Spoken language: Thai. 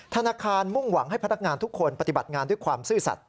ธนาคารมุ่งหวังให้พนักงานทุกคนปฏิบัติงานด้วยความซื่อสัตว